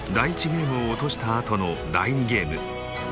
ゲームを落としたあとの第２ゲーム。